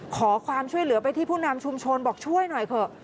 ขอความช่วยเหลือไปที่ผู้นำชุมชนบอกช่วยหน่อยเถอะ